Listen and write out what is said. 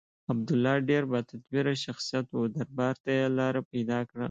عبدالله ډېر با تدبیره شخصیت و دربار ته یې لاره پیدا کړه.